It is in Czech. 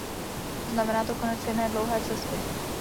Znamená to konec jedné dlouhé cesty.